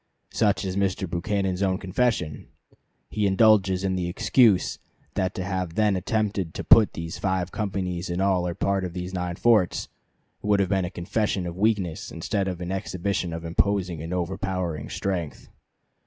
Such is Mr. Buchanan's own confession. He indulges in the excuse that to have then attempted to put these five companies in all or part of these nine forts "would have been a confession of weakness instead of an exhibition of imposing and overpowering strength."